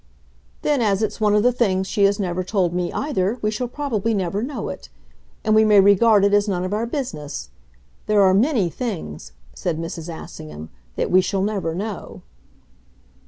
"Then as it's one of the things she has never told me either, we shall probably never know it; and we may regard it as none of our business. There are many things," said Mrs. Assingham, "that we shall never know."